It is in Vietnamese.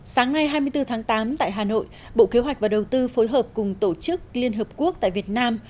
sáng nay hai mươi bốn tháng tám tại hà nội bộ kế hoạch và đầu tư phối hợp cùng tổ chức liên hợp quốc tại việt nam